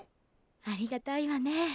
ありがたいわねえ。